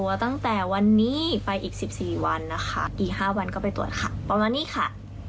๕วันก็ไปตรวจค่ะประมาณนี้ค่ะ